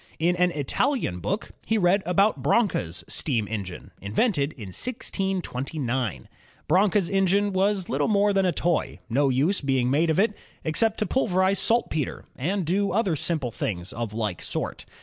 Zn an Italian book he read about Branca's steam engine, invented in 1629. Branca's engine was little more than a toy, no use being made of it, except to pulverize saltpeter and do other simple things of like sort.